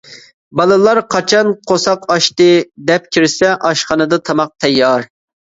بالىلار قاچان قورساق ئاچتى دەپ كىرسە، ئاشخانىدا تاماق تەييار.